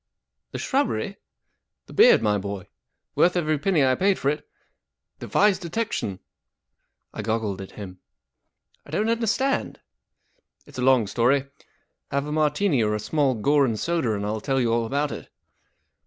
44 The shrubbery ?" 44 The beard, my boy. Worth every' penny I paid for it. Defies detection." Digitized by Gooqle o I goggled at him. 44 I don't understand." 44 It's a long story. Have a martini or a small gore and soda, and I'll tell you all about it.